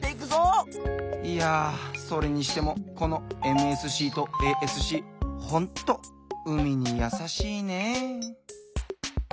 いやそれにしてもこのＭＳＣとＡＳＣほんと海にやさしいね！